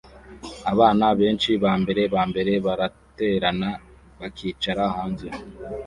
Abana benshi bambere bambere baraterana bakicara hanze